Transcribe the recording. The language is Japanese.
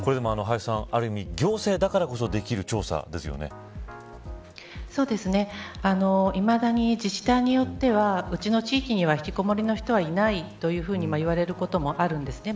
ある意味、行政だからこそできるいまだに自治体によってはうちの地域にはひきこもりの人はいないというふうにいわれることもあるんですね。